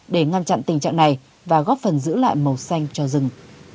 để ngăn chặn tình trạng này và góp phần giữ lại màu xanh cho rừng